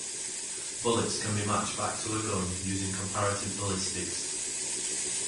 Bullets can be matched back to a gun using comparative ballistics.